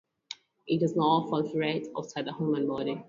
It does not proliferate outside the human body.